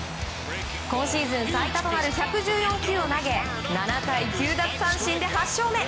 今シーズン最多となる１１４球を投げ、７回９奪三振で８勝目。